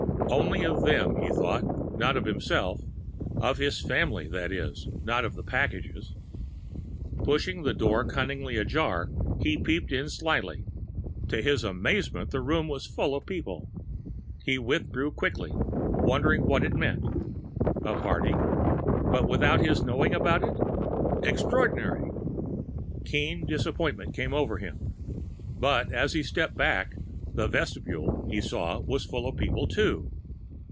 Only of them he thought, not of himself of his family, that is, not of the packages. Pushing the door cunningly ajar, he peeped in slyly. To his amazement, the room was full of people! He withdrew quickly, wondering what it meant. A party? And without his knowing about it! Extraordinary!... Keen disappointment came over him. But, as he stepped back, the vestibule, he saw, was full of people too.